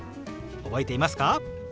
覚えていますか？